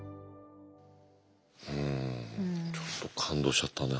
うんちょっと感動しちゃったな。